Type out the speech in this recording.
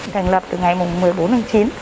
thành lập từ ngày một mươi bốn tháng chín